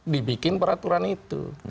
dibikin peraturan itu